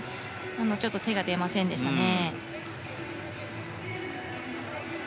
ちょっと手が出ませんでしたね。